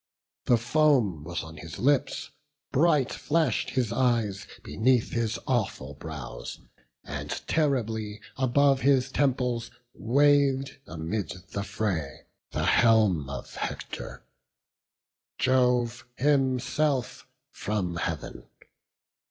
The foam was on his lips; bright flash'd his eyes Beneath his awful brows, and terribly Above his temples wav'd amid the fray The helm of Hector; Jove himself from Heav'n.